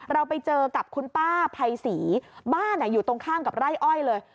เราไปเจอกับคุณป้าภัยศรีบ้านอยู่ตรงข้ามกับไร่อ้อยเลย